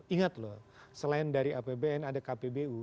ingat loh selain dari apbn ada kpbu